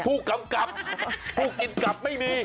ผู้กำกับผู้กินกลับไม่มี